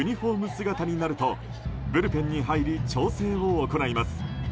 姿になるとブルペンに入り調整を行います。